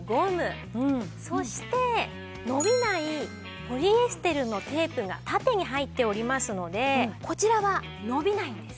そして伸びないポリエステルのテープが縦に入っておりますのでこちらは伸びないんです。